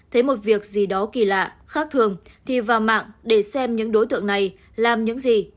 thấy một việc gì đó kỳ lạ khác thường thì vào mạng để xem những đối tượng này làm những gì